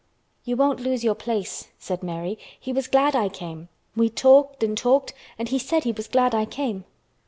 "You won't lose your place," said Mary. "He was glad I came. We talked and talked and he said he was glad I came."